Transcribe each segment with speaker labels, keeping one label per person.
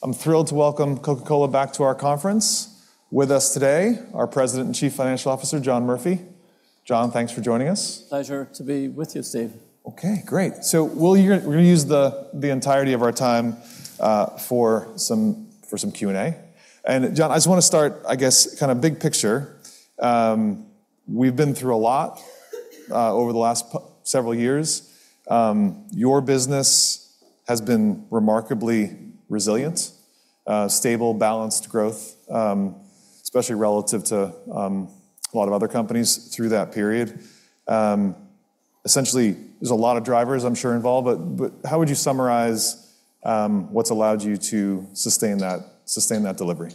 Speaker 1: I'm thrilled to welcome Coca-Cola back to our conference. With us today, our President and Chief Financial Officer, John Murphy. John, thanks for joining us.
Speaker 2: Pleasure to be with you, Steve.
Speaker 1: Okay, great! So we'll use the entirety of our time for some Q&A. And John, I just wanna start, I guess, kinda big picture. We've been through a lot over the last several years. Your business has been remarkably resilient, stable, balanced growth, especially relative to a lot of other companies through that period. Essentially, there's a lot of drivers, I'm sure, involved, but how would you summarize what's allowed you to sustain that, sustain that delivery?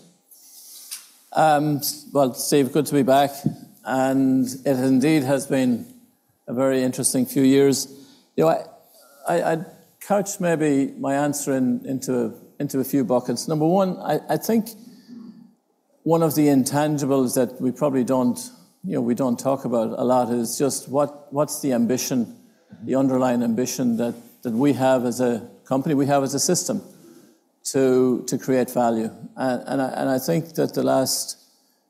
Speaker 2: Well, Steve, good to be back, and it indeed has been a very interesting few years. You know, I'd couch maybe my answer into a few buckets. Number one, I think one of the intangibles that we probably don't, you know, we don't talk about a lot is just what's the ambition, the underlying ambition that we have as a company, we have as a system, to create value? And I think that the last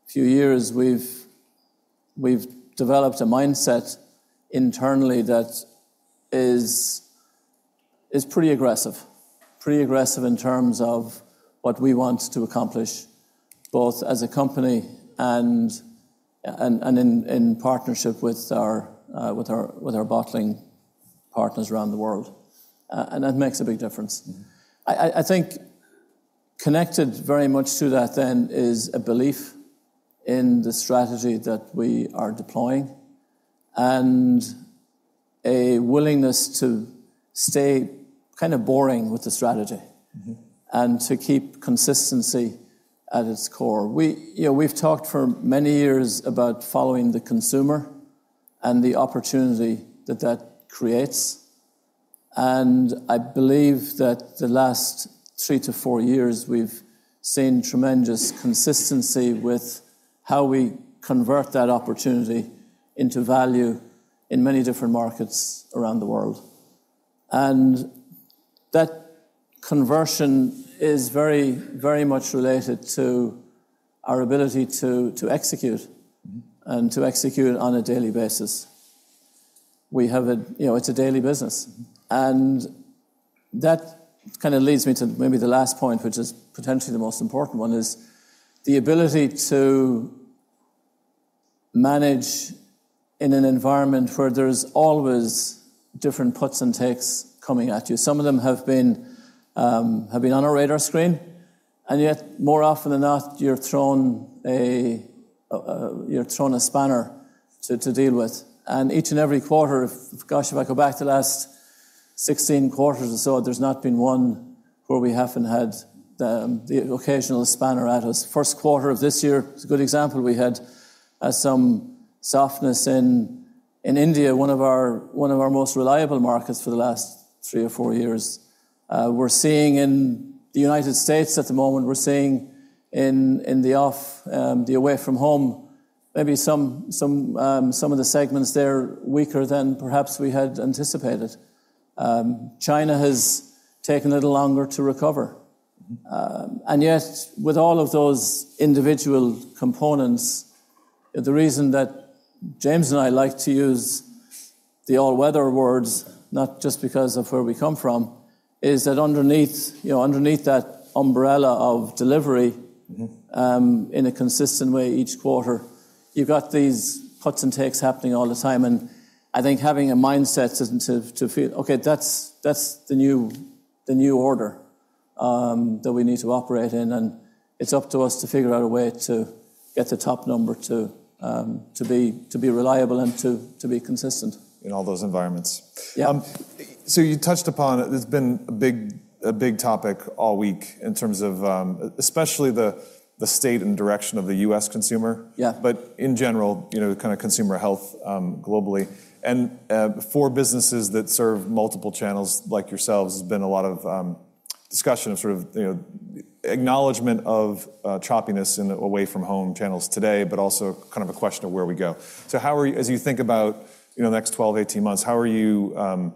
Speaker 2: few years, we've developed a mindset internally that is pretty aggressive. Pretty aggressive in terms of what we want to accomplish, both as a company and in partnership with our bottling partners around the world. And that makes a big difference. I think connected very much to that then is a belief in the strategy that we are deploying, and a willingness to stay kinda boring with the strategy.
Speaker 1: Mm-hmm.
Speaker 2: And to keep consistency at its core. We, you know, we've talked for many years about following the consumer and the opportunity that that creates, and I believe that the last three to four years, we've seen tremendous consistency with how we convert that opportunity into value in many different markets around the world. And that conversion is very, very much related to our ability to execute.
Speaker 1: Mm-hmm.
Speaker 2: And to execute on a daily basis. We have. You know, it's a daily business. And that kinda leads me to maybe the last point, which is potentially the most important one, is the ability to manage in an environment where there's always different puts and takes coming at you. Some of them have been on our radar screen, and yet more often than not, you're thrown a spanner to deal with. And each and every quarter, gosh, if I go back to the last 16 quarters or so, there's not been one where we haven't had the occasional spanner at us. First quarter of this year is a good example. We had some softness in India, one of our most reliable markets for the last three or four years. We're seeing in the United States at the moment, in the away from home, maybe some of the segments there are weaker than perhaps we had anticipated. China has taken a little longer to recover.
Speaker 1: Mm-hmm.
Speaker 2: And yet, with all of those individual components, the reason that James and I like to use the all-weather words, not just because of where we come from, is that underneath, you know, underneath that umbrella of delivery.
Speaker 1: Mm-hmm
Speaker 2: In a consistent way each quarter, you've got these puts and takes happening all the time, and I think having a mindset isn't to feel, "Okay, that's the new order that we need to operate in," and it's up to us to figure out a way to get the top number to be reliable and to be consistent.
Speaker 1: In all those environments.
Speaker 2: Yeah.
Speaker 1: So you touched upon, it's been a big, a big topic all week in terms of, especially the state and direction of the U.S. consumer.
Speaker 2: Yeah.
Speaker 1: In general, you know, the kinda consumer health globally. For businesses that serve multiple channels like yourselves, there's been a lot of discussion of sort of, you know, acknowledgement of choppiness in away from home channels today, but also kind of a question of where we go. So how are you... As you think about, you know, the next 12, 18 months, how are you kind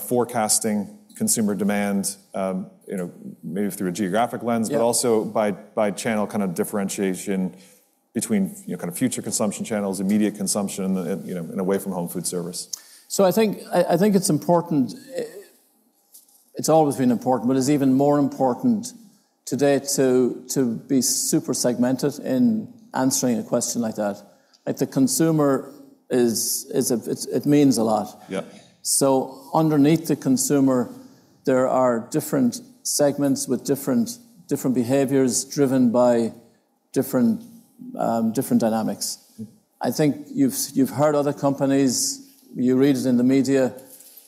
Speaker 1: of forecasting consumer demand, you know, maybe through a geographic lens-
Speaker 2: Yeah
Speaker 1: But also by channel kinda differentiation between, you know, kind of future consumption channels, immediate consumption, and, you know, and away from home food service?
Speaker 2: So I think it's important... It's always been important, but it's even more important today to be super segmented in answering a question like that. Like the consumer is a, it means a lot.
Speaker 1: Yeah.
Speaker 2: So underneath the consumer, there are different segments with different behaviors driven by different dynamics. I think you've heard other companies, you read it in the media,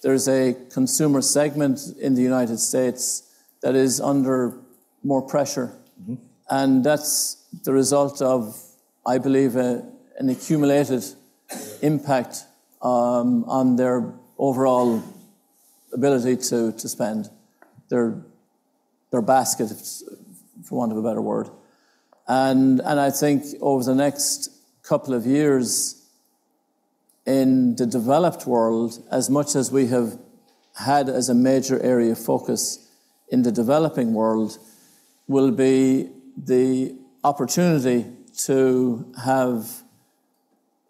Speaker 2: there's a consumer segment in the United States that is under more pressure.
Speaker 1: Mm-hmm.
Speaker 2: And that's the result of, I believe, an accumulated impact on their overall ability to spend their basket, for want of a better word. And I think over the next couple of years... in the developed world, as much as we have had as a major area of focus in the developing world, will be the opportunity to have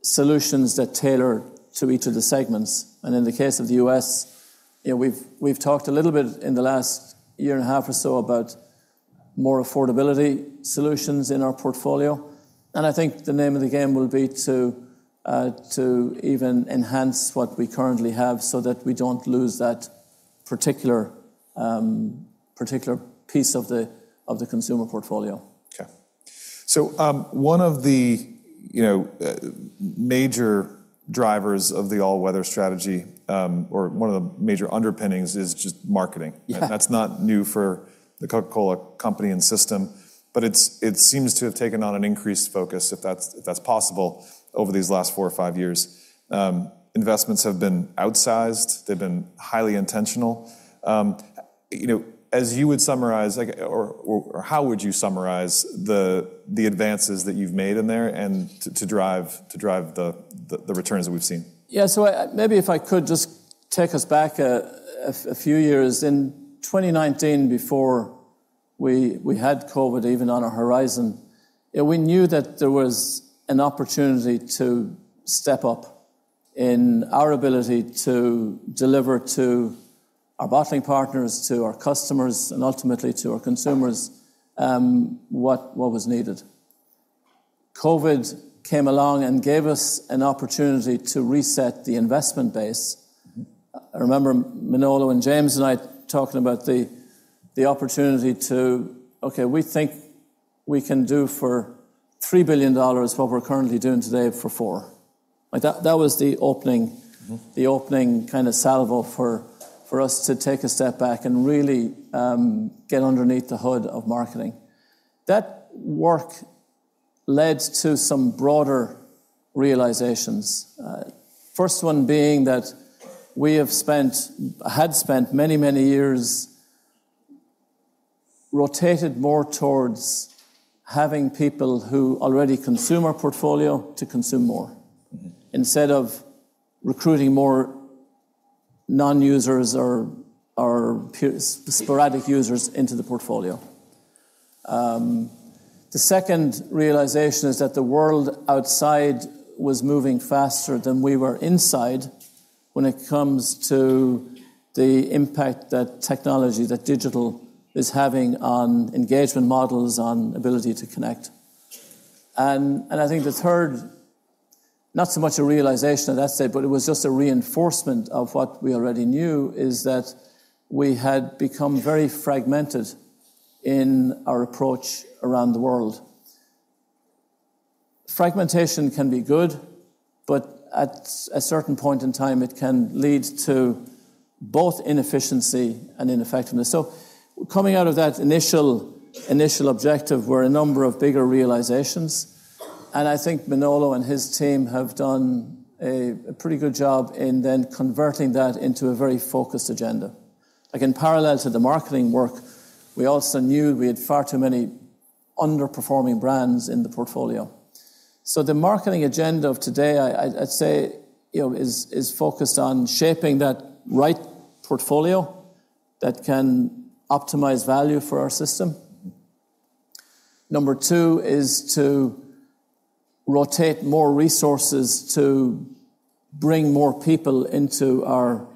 Speaker 2: solutions that tailor to each of the segments. And in the case of the U.S., you know, we've talked a little bit in the last year and a half or so about more affordability solutions in our portfolio, and I think the name of the game will be to even enhance what we currently have so that we don't lose that particular piece of the consumer portfolio.
Speaker 1: Okay. So, one of the, you know, major drivers of the all-weather strategy, or one of the major underpinnings is just marketing.
Speaker 2: Yeah.
Speaker 1: That's not new for the Coca-Cola Company and system, but it seems to have taken on an increased focus, if that's possible, over these last four or five years. Investments have been outsized. They've been highly intentional. You know, as you would summarize, like, or how would you summarize the advances that you've made in there and to drive the returns that we've seen?
Speaker 2: Yeah, so, maybe if I could just take us back a few years. In 2019, before we had COVID even on our horizon, we knew that there was an opportunity to step up in our ability to deliver to our bottling partners, to our customers, and ultimately to our consumers, what was needed. COVID came along and gave us an opportunity to reset the investment base. I remember Manolo and James and I talking about the opportunity to... "Okay, we think we can do for $3 billion what we're currently doing today for $4 billion." Like, that was the opening.
Speaker 1: Mm-hmm
Speaker 2: The opening kind of salvo for us to take a step back and really get underneath the hood of marketing. That work led to some broader realizations. First one being that we have spent, had spent many, many years rotated more towards having people who already consume our portfolio to consume more.
Speaker 1: Mm-hmm
Speaker 2: Instead of recruiting more non-users or sporadic users into the portfolio. The second realization is that the world outside was moving faster than we were inside when it comes to the impact that technology, that digital is having on engagement models, on ability to connect. And I think the third, not so much a realization, I'd say, but it was just a reinforcement of what we already knew, is that we had become very fragmented in our approach around the world. Fragmentation can be good, but at a certain point in time, it can lead to both inefficiency and ineffectiveness. So coming out of that initial, initial objective were a number of bigger realizations, and I think Manolo and his team have done a pretty good job in then converting that into a very focused agenda. Again, parallel to the marketing work, we also knew we had far too many underperforming brands in the portfolio. So the marketing agenda of today, I'd say, you know, is focused on shaping that right portfolio that can optimize value for our system. Number two is to rotate more resources to bring more people into our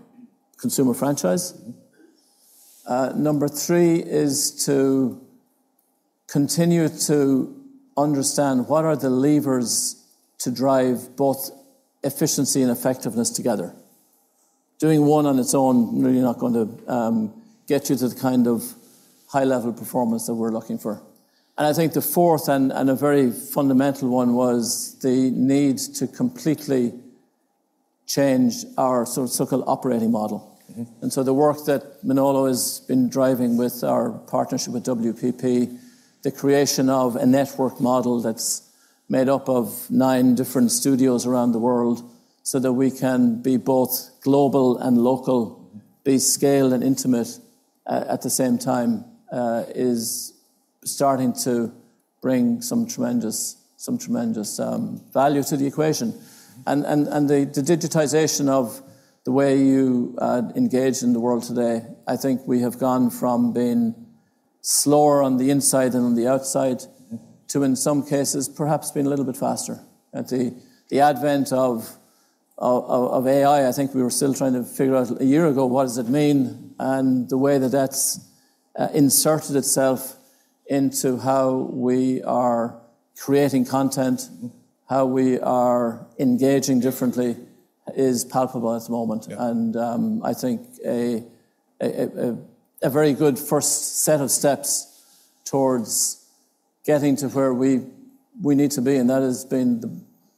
Speaker 2: consumer franchise.
Speaker 1: Mm-hmm.
Speaker 2: Number three is to continue to understand what are the levers to drive both efficiency and effectiveness together. Doing one on its own, really not going to get you to the kind of high-level performance that we're looking for. And I think the fourth and a very fundamental one was the need to completely change our so-called operating model.
Speaker 1: Mm-hmm.
Speaker 2: And so the work that Manolo has been driving with our partnership with WPP, the creation of a network model that's made up of nine different studios around the world, so that we can be both global and local, be scale and intimate at the same time, is starting to bring some tremendous value to the equation. And the digitization of the way you engage in the world today, I think we have gone from being slower on the inside than on the outside.
Speaker 1: Mm
Speaker 2: To, in some cases, perhaps being a little bit faster. At the advent of AI, I think we were still trying to figure out a year ago, what does it mean? And the way that that's inserted itself into how we are creating content.
Speaker 1: Mm
Speaker 2: How we are engaging differently is palpable at the moment.
Speaker 1: Yeah.
Speaker 2: I think a very good first set of steps towards getting to where we need to be, and that has been the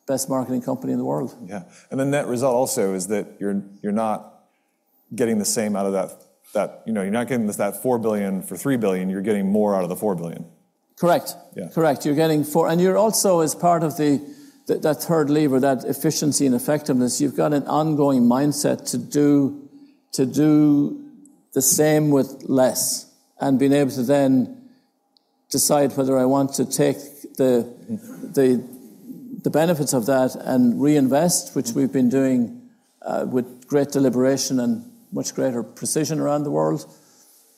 Speaker 2: best marketing company in the world.
Speaker 1: Yeah, and the net result also is that you're not getting the same out of that. You know, you're not getting that $4 billion for $3 billion. You're getting more out of the $4 billion.
Speaker 2: Correct.
Speaker 1: Yeah.
Speaker 2: Correct. You're getting four. And you're also, as part of that third lever, that efficiency and effectiveness, you've got an ongoing mindset to do the same with less, and being able to then decide whether I want to take the benefits of that and reinvest, which we've been doing with great deliberation and much greater precision around the world,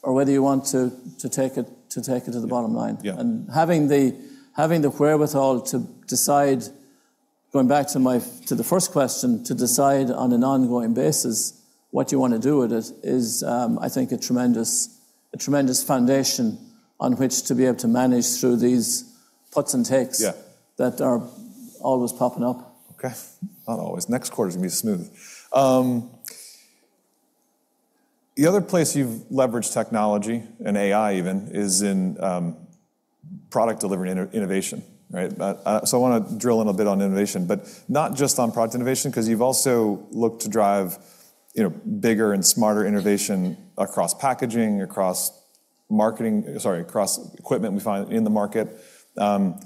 Speaker 2: or whether you want to take it to the bottom line.
Speaker 1: Yeah.
Speaker 2: Having the wherewithal to decide, going back to the first question, to decide on an ongoing basis what you wanna do with it is, I think a tremendous foundation on which to be able to manage through these puts and takes.
Speaker 1: Yeah
Speaker 2: that are always popping up.
Speaker 1: Okay. Not always. Next quarter's gonna be smooth. The other place you've leveraged technology, and AI even, is in product delivery and innovation, right? So I wanna drill in a bit on innovation, but not just on product innovation, 'cause you've also looked to drive, you know, bigger and smarter innovation across packaging, across marketing... Sorry, across equipment we find in the market. You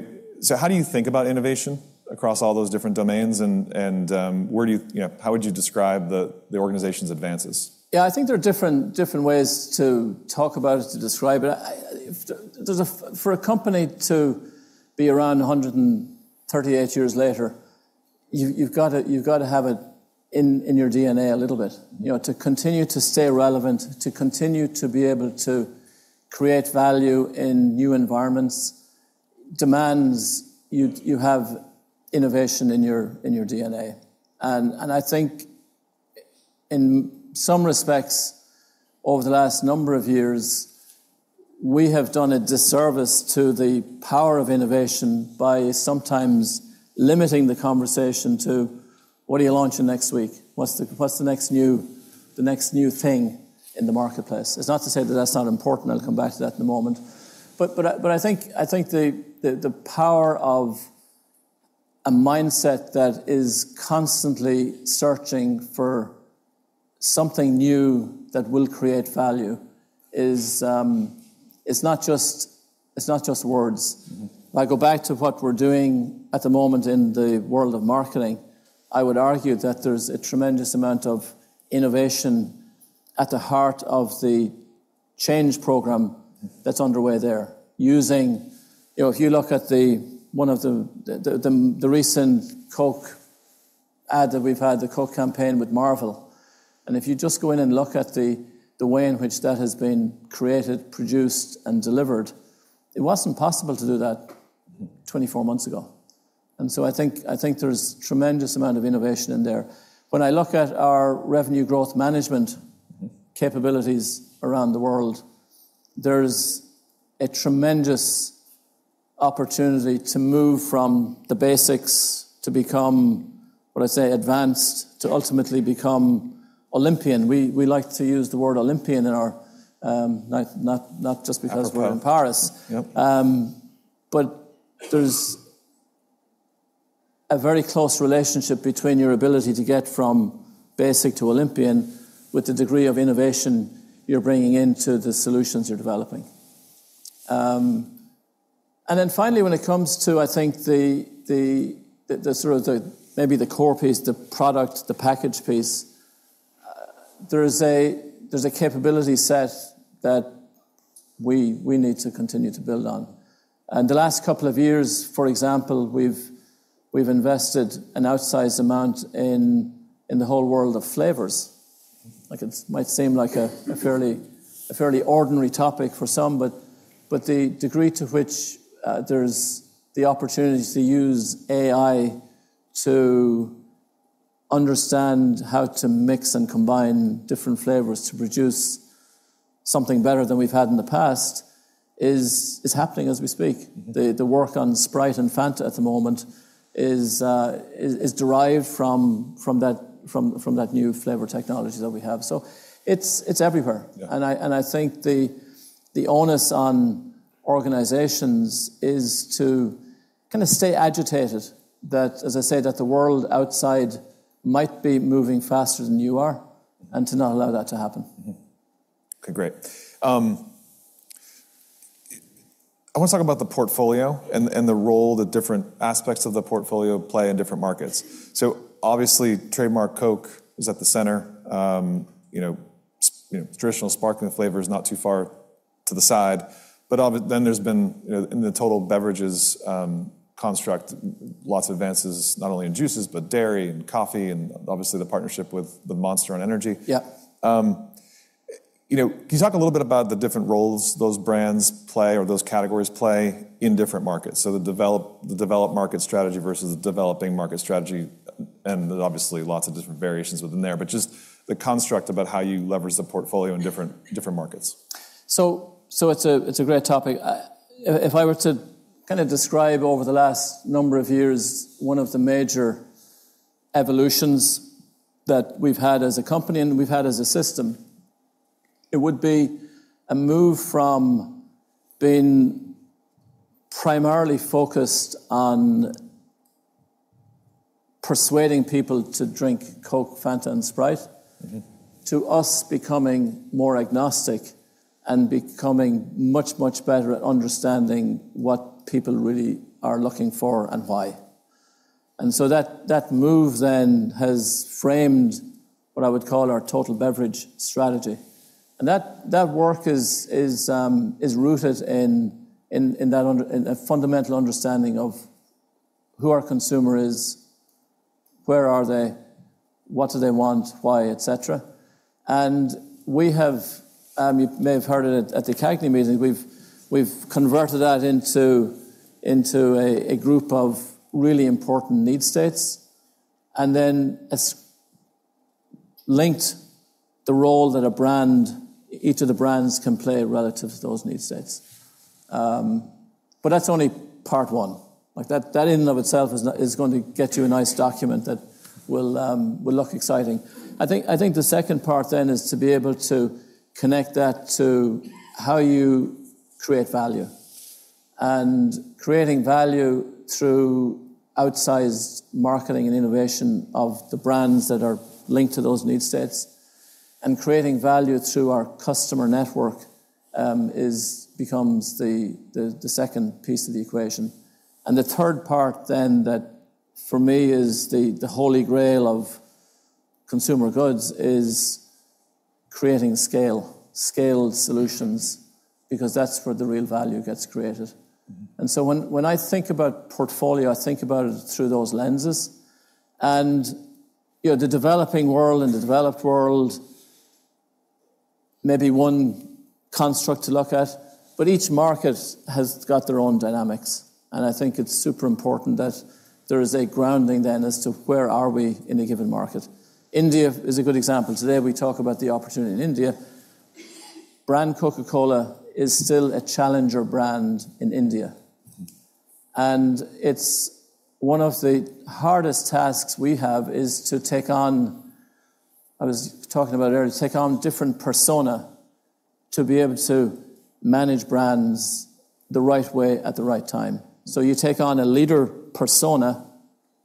Speaker 1: know, so how do you think about innovation across all those different domains, and where do you, you know, how would you describe the organization's advances?
Speaker 2: Yeah, I think there are different, different ways to talk about it, to describe it. I think for a company to be around 138 years later, you've gotta have it in your DNA a little bit. You know, to continue to stay relevant, to continue to be able to create value in new environments, demands you have innovation in your DNA. And I think in some respects, over the last number of years, we have done a disservice to the power of innovation by sometimes limiting the conversation to: What are you launching next week? What's the next new, the next new thing in the marketplace? It's not to say that that's not important, I'll come back to that in a moment. But I think the power of a mindset that is constantly searching for something new that will create value is. It's not just words.
Speaker 1: Mm-hmm.
Speaker 2: If I go back to what we're doing at the moment in the world of marketing, I would argue that there's a tremendous amount of innovation at the heart of the change program that's underway there. You know, if you look at one of the recent Coke ad that we've had, the Coke campaign with Marvel, and if you just go in and look at the way in which that has been created, produced, and delivered, it wasn't possible to do that 24 months ago. And so I think there's tremendous amount of innovation in there. When I look at our revenue growth management capabilities around the world, there's a tremendous opportunity to move from the basics to become, what I say, advanced, to ultimately become Olympian. We like to use the word Olympian in our, not just because-
Speaker 1: Olympics
Speaker 2: We're in Paris.
Speaker 1: Yep.
Speaker 2: But there's a very close relationship between your ability to get from basic to Olympian with the degree of innovation you're bringing into the solutions you're developing. And then finally, when it comes to, I think, the sort of, maybe the core piece, the product, the package piece, there's a capability set that we need to continue to build on. And the last couple of years, for example, we've invested an outsized amount in the whole world of flavors. Like, it might seem like a fairly ordinary topic for some, but the degree to which there's the opportunity to use AI to understand how to mix and combine different flavors to produce something better than we've had in the past, is happening as we speak.
Speaker 1: Mm-hmm.
Speaker 2: The work on Sprite and Fanta at the moment is derived from that new flavor technology that we have. So it's everywhere.
Speaker 1: Yeah.
Speaker 2: I think the onus on organizations is to kinda stay agitated that, as I say, the world outside might be moving faster than you are, and to not allow that to happen.
Speaker 1: Mm-hmm. Okay, great. I wanna talk about the portfolio and the role that different aspects of the portfolio play in different markets. So obviously, Trademark Coke is at the center. You know, you know, traditional sparkling flavor is not too far to the side, but then there's been in the total beverages construct, lots of advances, not only in juices, but dairy, and coffee, and obviously, the partnership with the Monster on energy.
Speaker 2: Yeah.
Speaker 1: You know, can you talk a little bit about the different roles those brands play or those categories play in different markets? So the developed market strategy versus the developing market strategy, and obviously, lots of different variations within there, but just the construct about how you leverage the portfolio in different markets.
Speaker 2: So, it's a great topic. If I were to kinda describe over the last number of years, one of the major evolutions that we've had as a company and we've had as a system, it would be a move from being primarily focused on persuading people to drink Coke, Fanta, and Sprite.
Speaker 1: Mm-hmm
Speaker 2: To us becoming more agnostic and becoming much, much better at understanding what people really are looking for and why. And so that move then has framed what I would call our total beverage strategy. That work is rooted in a fundamental understanding of who our consumer is, where are they, what do they want, why, et cetera. We have, you may have heard it at the CAGNY meeting, we've converted that into a group of really important need states, and then linked the role that a brand, each of the brands can play relative to those need states. But that's only part one. Like, that in and of itself is not going to get you a nice document that will look exciting. I think the second part then is to be able to connect that to how you create value, and creating value through outsized marketing and innovation of the brands that are linked to those need states, and creating value through our customer network, becomes the second piece of the equation. The third part then, that for me is the holy grail of consumer goods, is creating scale, scaled solutions, because that's where the real value gets created.
Speaker 1: Mm-hmm.
Speaker 2: So when I think about portfolio, I think about it through those lenses. You know, the developing world and the developed world, maybe one construct to look at, but each market has got their own dynamics, and I think it's super important that there is a grounding then as to where are we in a given market. India is a good example. Today, we talk about the opportunity in India. Brand Coca-Cola is still a challenger brand in India.
Speaker 1: Mm.
Speaker 2: It's one of the hardest tasks we have is to take on—I was talking about earlier—to take on different persona to be able to manage brands the right way at the right time. So you take on a leader persona,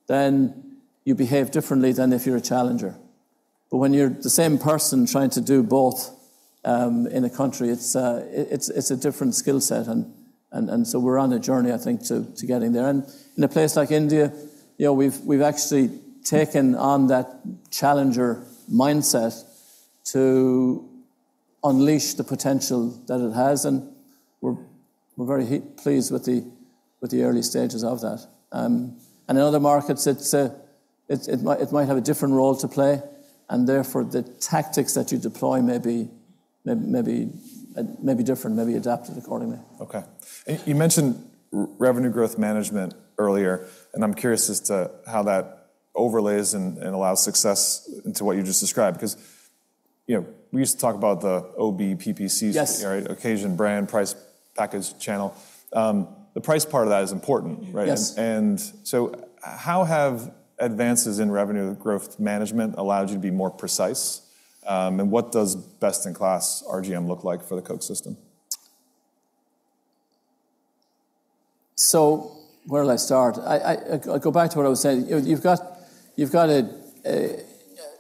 Speaker 2: then you behave differently than if you're a challenger. But when you're the same person trying to do both, in a country, it's a different skill set, and so we're on a journey, I think, to getting there. And in a place like India, you know, we've actually taken on that challenger mindset to unleash the potential that it has, and we're very pleased with the early stages of that. And in other markets, it might have a different role to play, and therefore, the tactics that you deploy may be different, may be adapted accordingly.
Speaker 1: Okay. And you mentioned revenue growth management earlier, and I'm curious as to how that overlays and allows success into what you just described. Because, you know, we used to talk about the OBPPC.
Speaker 2: Yes.
Speaker 1: Occasion, brand, price, package, channel. The price part of that is important, right?
Speaker 2: Yes.
Speaker 1: How have advances in revenue growth management allowed you to be more precise? What does best-in-class RGM look like for the Coke system?
Speaker 2: So where will I start? I'll go back to what I was saying. You've got a,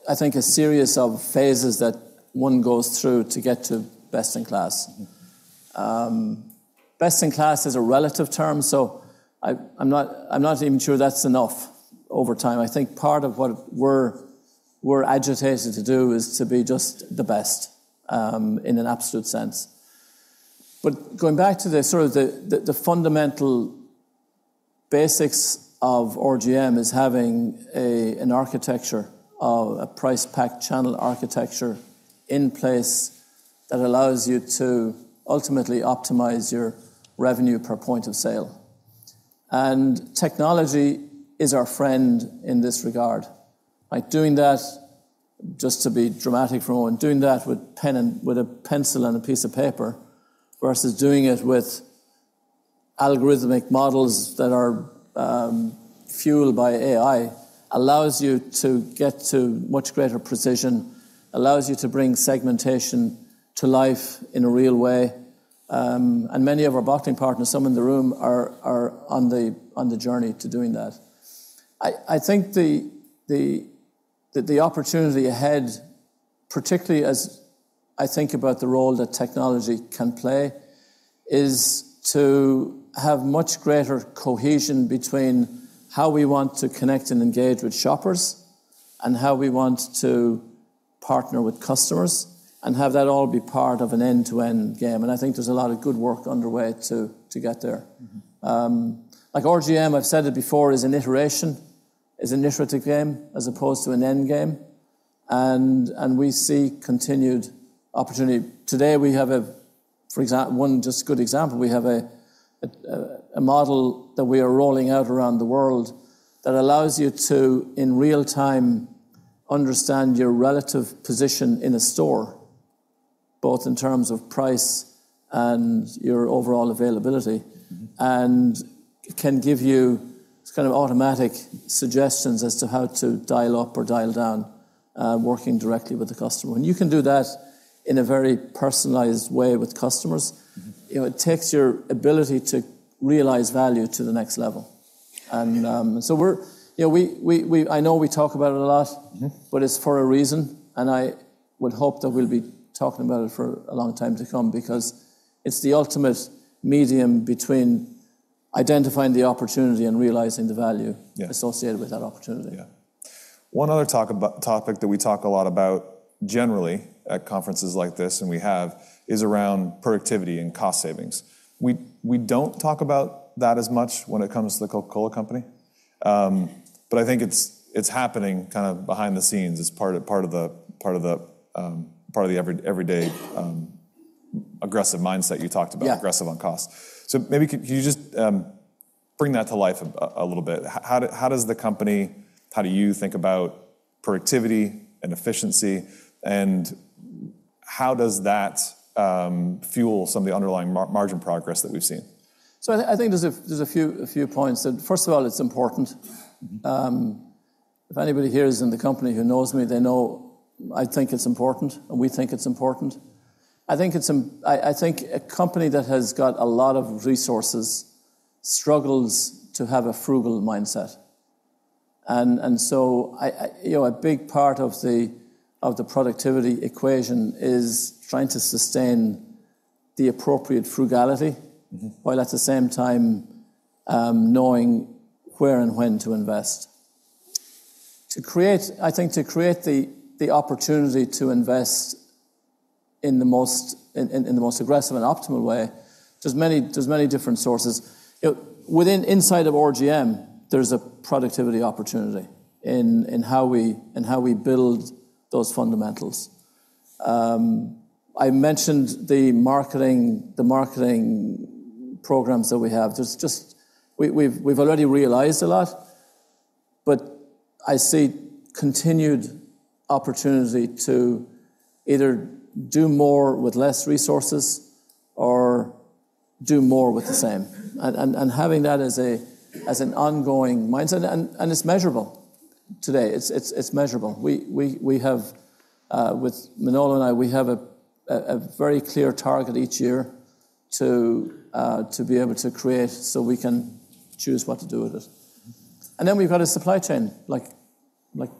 Speaker 2: I think, a series of phases that one goes through to get to best in class. Best in class is a relative term, so I'm not even sure that's enough over time. I think part of what we're agitated to do is to be just the best in an absolute sense. But going back to the sort of the fundamental basics of RGM is having an architecture of a price pack channel architecture in place that allows you to ultimately optimize your revenue per point of sale. And technology is our friend in this regard. By doing that, just to be dramatic for a moment, doing that with pen and with a pencil and a piece of paper, versus doing it with algorithmic models that are fueled by AI, allows you to get to much greater precision, allows you to bring segmentation to life in a real way. And many of our bottling partners, some in the room, are on the journey to doing that. I think the opportunity ahead, particularly as I think about the role that technology can play, is to have much greater cohesion between how we want to connect and engage with shoppers, and how we want to partner with customers, and have that all be part of an end-to-end game, and I think there's a lot of good work underway to get there.
Speaker 1: Mm-hmm.
Speaker 2: Like RGM, I've said it before, is an iteration, is an iterative game as opposed to an end game, and we see continued opportunity. Today we have a, for example, one just good example, we have a model that we are rolling out around the world that allows you to, in real time, understand your relative position in a store, both in terms of price and your overall availability.
Speaker 1: Mm-hmm.
Speaker 2: It can give you kind of automatic suggestions as to how to dial up or dial down working directly with the customer. You can do that in a very personalized way with customers.
Speaker 1: Mm-hmm.
Speaker 2: You know, it takes your ability to realize value to the next level.
Speaker 1: Mm-hmm.
Speaker 2: So we're... You know, I know we talk about it a lot.
Speaker 1: Mm-hmm.
Speaker 2: But it's for a reason, and I would hope that we'll be talking about it for a long time to come because it's the ultimate medium between identifying the opportunity and realizing the value.
Speaker 1: Yeah.
Speaker 2: associated with that opportunity.
Speaker 1: Yeah. One other topic that we talk a lot about generally at conferences like this, and we have, is around productivity and cost savings. We don't talk about that as much when it comes to the Coca-Cola Company. But I think it's happening kind of behind the scenes as part of the everyday aggressive mindset you talked about.
Speaker 2: Yeah.
Speaker 1: Aggressive on cost. So maybe can you just bring that to life a little bit? How does the company, how do you think about productivity and efficiency, and how does that fuel some of the underlying margin progress that we've seen?
Speaker 2: So I think there's a few points. First of all, it's important. If anybody here is in the company who knows me, they know I think it's important, and we think it's important. I think it's a company that has got a lot of resources struggles to have a frugal mindset. And so I, you know, a big part of the productivity equation is trying to sustain the appropriate frugality.
Speaker 1: Mm-hmm.
Speaker 2: while at the same time, knowing where and when to invest. To create—I think to create the opportunity to invest in the most aggressive and optimal way, there's many different sources. You know, within inside of RGM, there's a productivity opportunity in how we build those fundamentals. I mentioned the marketing programs that we have. There's just—we've already realized a lot, but I see continued opportunity to either do more with less resources or do more with the same. And having that as an ongoing mindset, and it's measurable today. It's measurable. We have with Manolo and I, we have a very clear target each year to be able to create so we can choose what to do with it. And then we've got a supply chain, like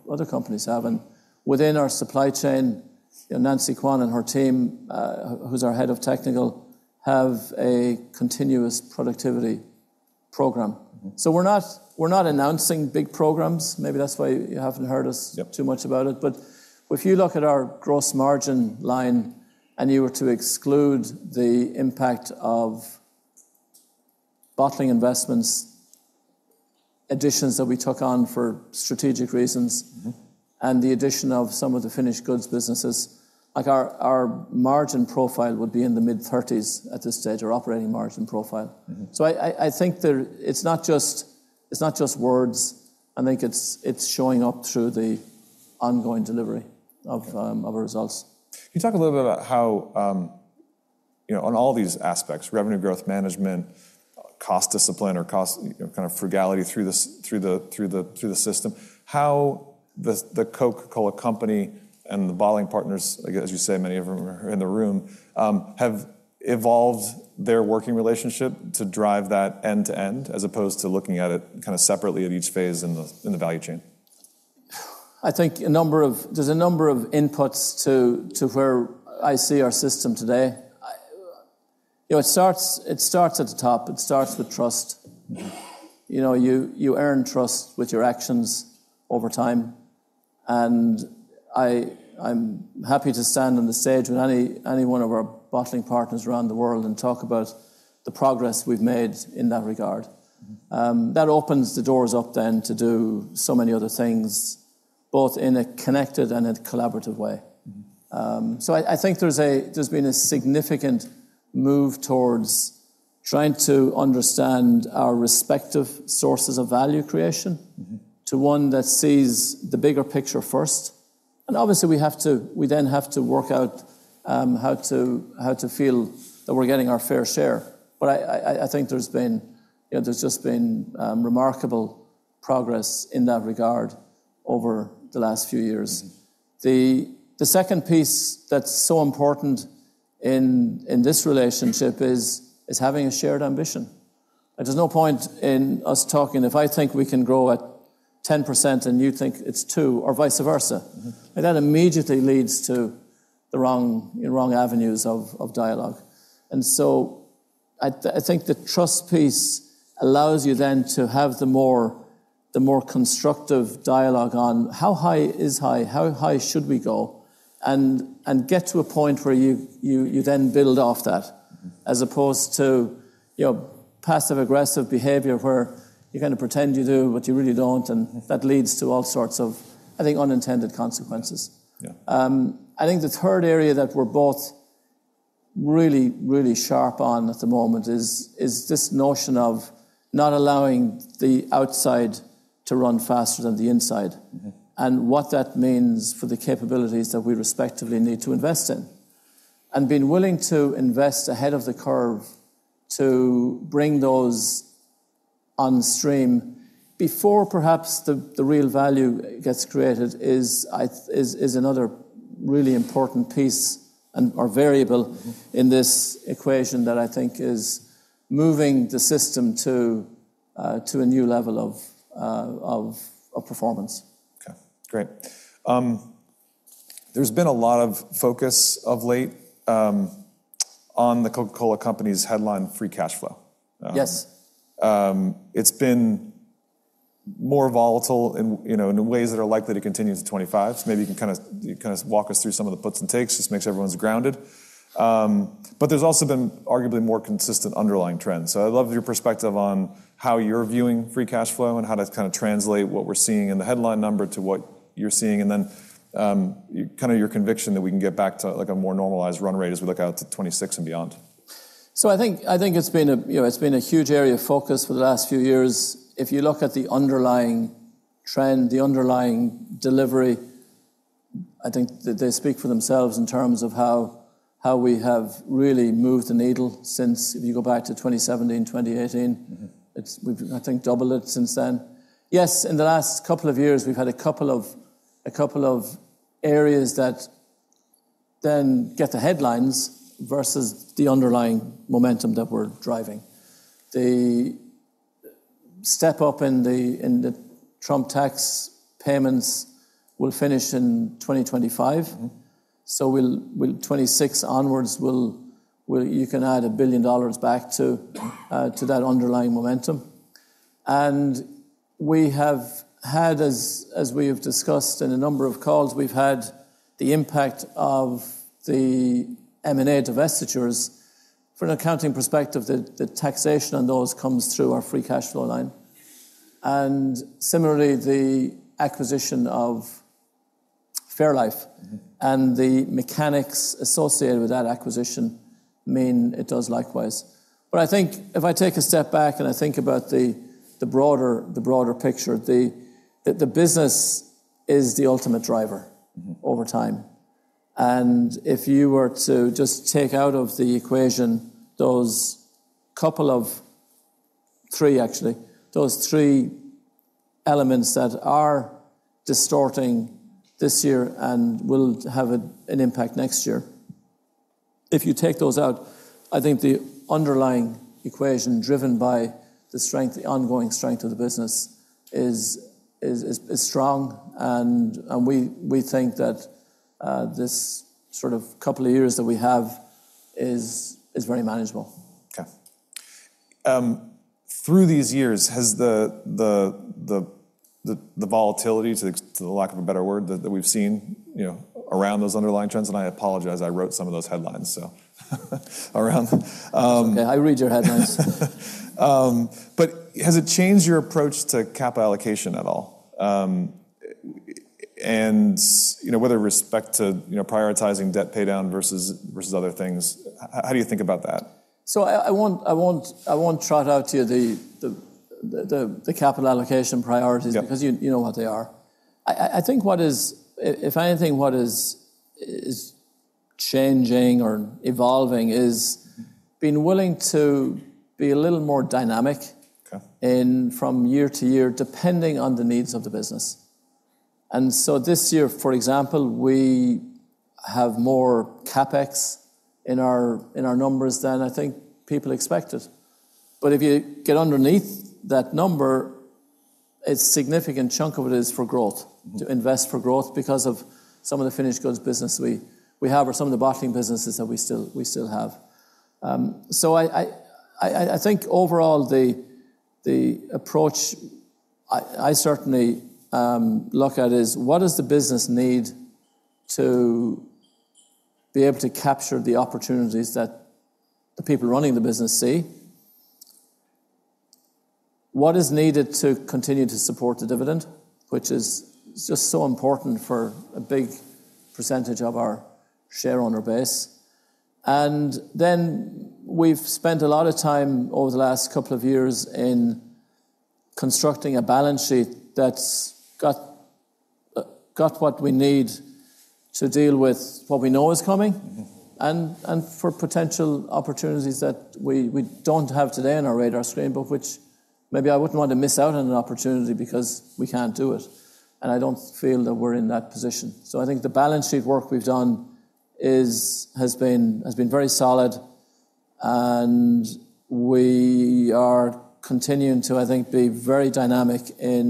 Speaker 2: other companies have, and within our supply chain, Nancy Quan and her team, who's our head of technical, have a continuous productivity program.
Speaker 1: Mm-hmm.
Speaker 2: So we're not, we're not announcing big programs. Maybe that's why you haven't heard us.
Speaker 1: Yep.
Speaker 2: Too much about it. But if you look at our gross margin line, and you were to exclude the impact of bottling investments, additions that we took on for strategic reasons
Speaker 1: Mm-hmm.
Speaker 2: And the addition of some of the finished goods businesses, like our margin profile would be in the mid-30s at this stage, our operating margin profile.
Speaker 1: Mm-hmm.
Speaker 2: So I think it's not just words. I think it's showing up through the ongoing delivery of.
Speaker 1: Okay
Speaker 2: Of our results.
Speaker 1: Can you talk a little bit about how, you know, on all these aspects, revenue growth, management, cost discipline, or cost, you know, kind of frugality through the system, how the Coca-Cola Company and the bottling partners, like as you say, many of them are in the room, have evolved their working relationship to drive that end to end, as opposed to looking at it kinda separately at each phase in the value chain?
Speaker 2: I think there's a number of inputs to where I see our system today. You know, it starts at the top. It starts with trust. You know, you earn trust with your actions over time, and I'm happy to stand on the stage with any one of our bottling partners around the world and talk about the progress we've made in that regard.
Speaker 1: Mm-hmm.
Speaker 2: That opens the doors up then to do so many other things, both in a connected and a collaborative way.
Speaker 1: Mm-hmm.
Speaker 2: So, I think there's been a significant move toward trying to understand our respective sources of value creation.
Speaker 1: Mm-hmm.
Speaker 2: to one that sees the bigger picture first. Obviously, we have to, we then have to work out how to feel that we're getting our fair share. But I think there's been, you know, there's just been remarkable progress in that regard over the last few years.
Speaker 1: Mm-hmm.
Speaker 2: The second piece that's so important in this relationship is having a shared ambition.
Speaker 1: Mm-hmm.
Speaker 2: There's no point in us talking if I think we can grow at 10%, and you think it's two, or vice versa.
Speaker 1: Mm-hmm.
Speaker 2: That immediately leads to the wrong, wrong avenues of, of dialogue. And so at—I think the trust piece allows you then to have the more, the more constructive dialogue on how high is high, how high should we go, and, and get to a point where you, you, you then build off that.
Speaker 1: Mm-hmm.
Speaker 2: As opposed to, you know, passive-aggressive behavior, where you're gonna pretend you do, but you really don't, and that leads to all sorts of, I think, unintended consequences.
Speaker 1: Yeah.
Speaker 2: I think the third area that we're both really, really sharp on at the moment is this notion of not allowing the outside to run faster than the inside.
Speaker 1: Mm-hmm.
Speaker 2: What that means for the capabilities that we respectively need to invest in. Being willing to invest ahead of the curve to bring those on stream before perhaps the real value gets created is another really important piece and/or variable.
Speaker 1: Mm-hmm
Speaker 2: in this equation that I think is moving the system to a new level of performance.
Speaker 1: Okay, great. There's been a lot of focus of late on the Coca-Cola Company's headline free cash flow.
Speaker 2: Yes.
Speaker 1: It's been more volatile and, you know, in ways that are likely to continue into 2025. So maybe you can kinda, you kinda walk us through some of the puts and takes, just makes everyone's grounded. But there's also been arguably more consistent underlying trends. So I'd love your perspective on how you're viewing free cash flow and how to kind of translate what we're seeing in the headline number to what you're seeing, and then, kind of your conviction that we can get back to, like, a more normalized run rate as we look out to 2026 and beyond.
Speaker 2: So I think, I think it's been a, you know, it's been a huge area of focus for the last few years. If you look at the underlying trend, the underlying delivery, I think that they speak for themselves in terms of how, how we have really moved the needle since if you go back to 2017, 2018.
Speaker 1: Mm-hmm.
Speaker 2: We've, I think, doubled it since then. Yes, in the last couple of years, we've had a couple of areas that then get the headlines versus the underlying momentum that we're driving. The step up in the Trump tax payments will finish in 2025.
Speaker 1: Mm-hmm.
Speaker 2: So we'll—2026 onwards, we'll—you can add $1 billion back to that underlying momentum. And we have had, as we have discussed in a number of calls, we've had the impact of the M&A divestitures. From an accounting perspective, the taxation on those comes through our free cash flow line. And similarly, the acquisition of fairlife.
Speaker 1: Mm-hmm
Speaker 2: And the mechanics associated with that acquisition mean it does likewise. But I think if I take a step back and I think about the broader picture, the business is the ultimate driver.
Speaker 1: Mm-hmm
Speaker 2: Over time. And if you were to just take out of the equation those couple of... three, actually, those three elements that are distorting this year and will have an impact next year, if you take those out, I think the underlying equation, driven by the strength, the ongoing strength of the business, is strong, and we think that this sort of couple of years that we have is very manageable.
Speaker 1: Okay. Through these years, has the volatility, to the lack of a better word, that we've seen, you know, around those underlying trends, and I apologize, I wrote some of those headlines, so around.
Speaker 2: It's okay. I read your headlines.
Speaker 1: But has it changed your approach to capital allocation at all? And, you know, whether with respect to, you know, prioritizing debt paydown versus other things, how do you think about that?
Speaker 2: So I won't trot out to you the capital allocation priorities.
Speaker 1: Yeah
Speaker 2: because you know what they are. I think what is... If anything, what is changing or evolving is-
Speaker 1: Mm
Speaker 2: being willing to be a little more dynamic.
Speaker 1: Okay
Speaker 2: In from year to year, depending on the needs of the business. And so this year, for example, we have more CapEx in our numbers than I think people expected. But if you get underneath that number, a significant chunk of it is for growth.
Speaker 1: Mm-hmm.
Speaker 2: To invest for growth because of some of the finished goods business we have or some of the bottling businesses that we still have. So I think overall, the approach I certainly look at is: What does the business need to be able to capture the opportunities that the people running the business see? What is needed to continue to support the dividend, which is just so important for a big percentage of our share owner base. And then we've spent a lot of time over the last couple of years in constructing a balance sheet that's got what we need to deal with what we know is coming.
Speaker 1: Mm-hmm
Speaker 2: For potential opportunities that we don't have today on our radar screen, but which maybe I wouldn't want to miss out on an opportunity because we can't do it, and I don't feel that we're in that position. So I think the balance sheet work we've done has been very solid, and we are continuing to, I think, be very dynamic in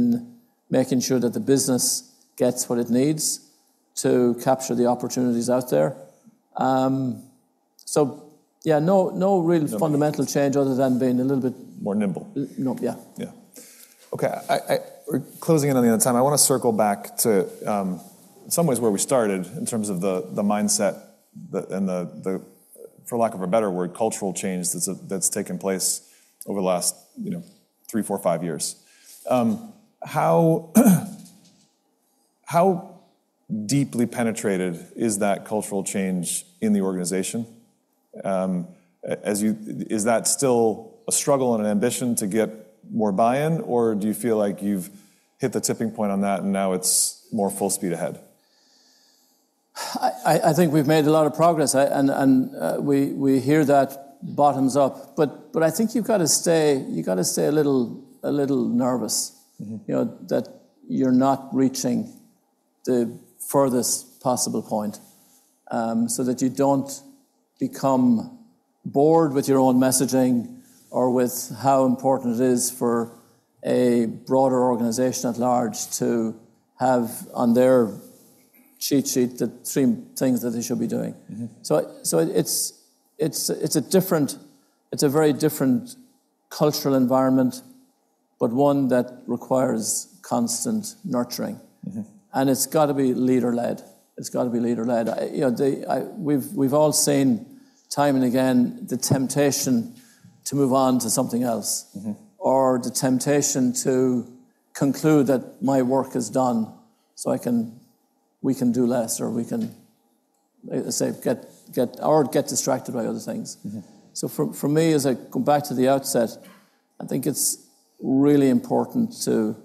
Speaker 2: making sure that the business gets what it needs to capture the opportunities out there. So yeah, no real.
Speaker 1: Yeah
Speaker 2: Fundamental change other than being a little bit.
Speaker 1: More nimble.
Speaker 2: Yeah.
Speaker 1: Yeah. Okay, I-- we're closing in on the end of time. I wanna circle back to, in some ways, where we started in terms of the mindset and the, for lack of a better word, cultural change that's taken place over the last, you know, three, four, five years. How deeply penetrated is that cultural change in the organization? As you-- is that still a struggle and an ambition to get more buy-in, or do you feel like you've hit the tipping point on that and now it's more full speed ahead?
Speaker 2: I think we've made a lot of progress, and we hear that bottoms up. But I think you've got to stay, you've got to stay a little, a little nervous.
Speaker 1: Mm-hmm
Speaker 2: You know, that you're not reaching the furthest possible point, so that you don't become bored with your own messaging or with how important it is for a broader organization at large to have on their cheat sheet the three things that they should be doing.
Speaker 1: Mm-hmm.
Speaker 2: It's a very different cultural environment, but one that requires constant nurturing.
Speaker 1: Mm-hmm.
Speaker 2: It's gotta be leader-led. It's gotta be leader-led. You know, we've all seen time and again the temptation to move on to something else.
Speaker 1: Mm-hmm.
Speaker 2: Or the temptation to conclude that my work is done, so I can, we can do less, or we can, as I say, get or get distracted by other things.
Speaker 1: Mm-hmm.
Speaker 2: So for me, as I go back to the outset, I think it's really important to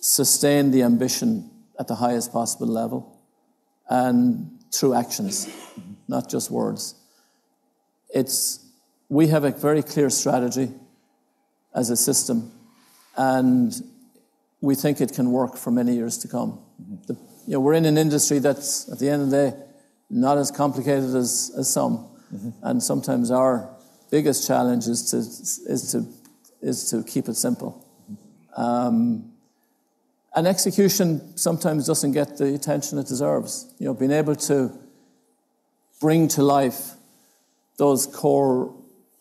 Speaker 2: sustain the ambition at the highest possible level, and through actions, not just words. It's... We have a very clear strategy as a system, and we think it can work for many years to come.
Speaker 1: Mm-hmm.
Speaker 2: You know, we're in an industry that's, at the end of the day, not as complicated as some.
Speaker 1: Mm-hmm.
Speaker 2: Sometimes our biggest challenge is to keep it simple. Execution sometimes doesn't get the attention it deserves. You know, being able to bring to life those core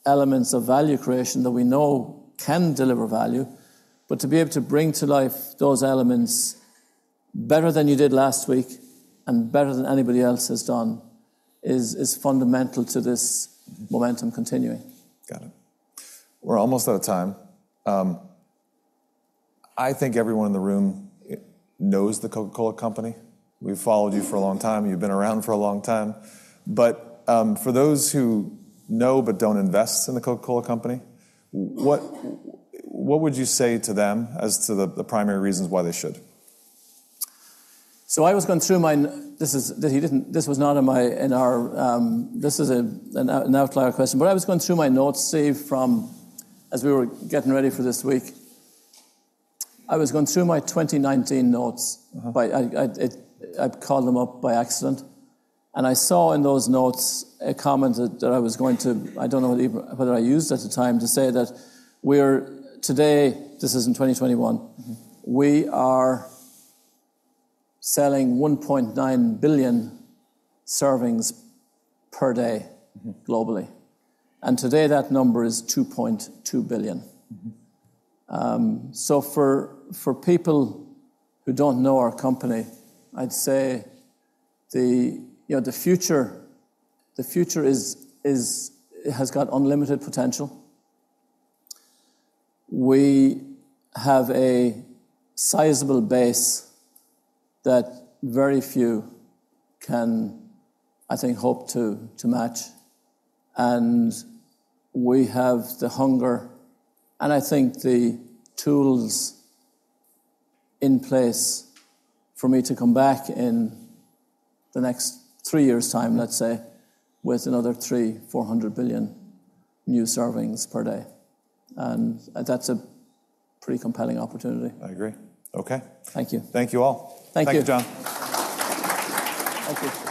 Speaker 2: elements of value creation that we know can deliver value, but to be able to bring to life those elements better than you did last week and better than anybody else has done, is fundamental to this momentum continuing.
Speaker 1: Got it. We're almost out of time. I think everyone in the room knows The Coca-Cola Company. We've followed you for a long time. You've been around for a long time. But, for those who know but don't invest in The Coca-Cola Company, what would you say to them as to the primary reasons why they should?
Speaker 2: This is an outlier question. But I was going through my notes, Steve, from as we were getting ready for this week. I was going through my 2019 notes.
Speaker 1: Uh-huh.
Speaker 2: I called them up by accident, and I saw in those notes a comment that I was going to... I don't know whether I used at the time, to say that we're today, this is in 2021.
Speaker 1: Mm-hmm
Speaker 2: We are selling 1.9 billion servings per day-
Speaker 1: Mm-hmm
Speaker 2: Globally, and today that number is 2.2 billion.
Speaker 1: Mm-hmm.
Speaker 2: So for people who don't know our company, I'd say, you know, the future is it has got unlimited potential. We have a sizable base that very few can, I think, hope to match, and we have the hunger, and I think the tools in place for me to come back in the next three years' time, let's say, with another 300-400 billion new servings per day, and that's a pretty compelling opportunity.
Speaker 1: I agree. Okay.
Speaker 2: Thank you.
Speaker 1: Thank you all.
Speaker 2: Thank you.
Speaker 1: Thank you, John.
Speaker 2: Thank you.